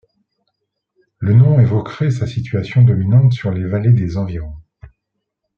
Le nom évoquerait sa situation dominante sur les vallées des environs.